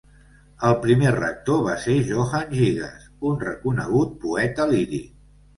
El primer rector va ser Johann Gigas, un reconegut poeta líric.